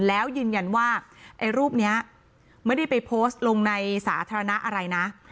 แล้วยืนยันว่าไอ้รูปนี้ไม่ได้ไปโพสต์ลงในสาธารณะอะไรนะ